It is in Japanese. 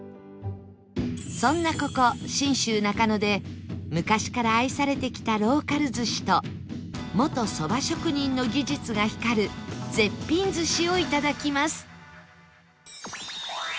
そんなここ信州中野で昔から愛されてきたローカル寿司と元そば職人の技術が光る絶品寿司をいただきます